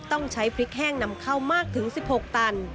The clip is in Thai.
ต้องใช้พริกแห้งนำเข้ามากถึง๑๖ตัน